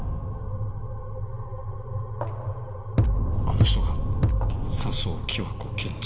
あの人が佐相貴和子検事？